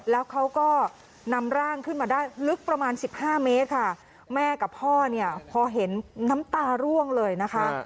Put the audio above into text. แล้วเขาก็นำร่างขึ้นมาได้ลึกประมาณสิบห้าเมตรค่ะแม่กับพ่อเนี่ยพอเห็นน้ำตาร่วงเลยนะคะ